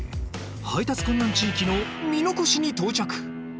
配達困難地域の見ノ越に到着。